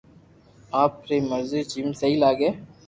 آپ ري مرزو جيم سھي لاگي